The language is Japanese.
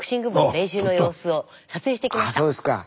あそうですか。